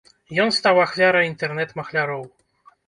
Ён стаў ахвярай інтэрнэт-махляроў.